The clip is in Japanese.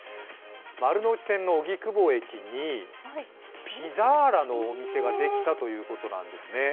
丸ノ内線の荻窪駅にピザーラのお店ができたということなんですね。